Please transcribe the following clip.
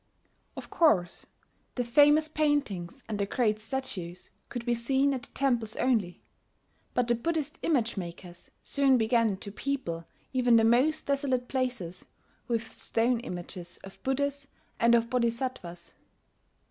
Of course the famous paintings and the great statues could be seen at the temples only; but the Buddhist image makers soon began to people even the most desolate places with stone images of Buddhas and of Bodhisattvas.